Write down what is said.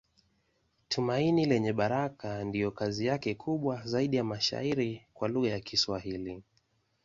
Tumaini Lenye Baraka ndiyo kazi yake kubwa zaidi ya mashairi kwa lugha ya Kiswahili.